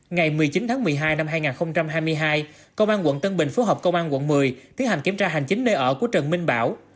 ngày một mươi chín tháng một mươi hai năm hai nghìn hai mươi hai công an quận tân bình phối hợp công an quận một mươi tiến hành kiểm tra hành chính nơi ở của trần minh bảo